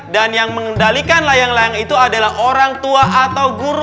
dan yang mengendalikan layang layang itu adalah orang tua atau guru